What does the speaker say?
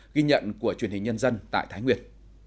ghi nhận của truyền hình nhân dân tại thái nguyệt